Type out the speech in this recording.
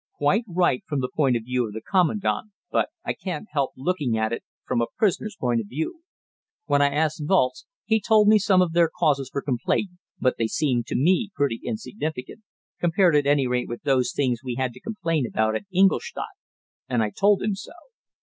Quite right from the point of view of the commandant, but I can't help looking at it from a prisoner's point of view. When I asked Walz, he told me some of their causes for complaint, but they seemed to me pretty insignificant, compared at any rate with those things we had to complain about at Ingolstadt; and I told him so.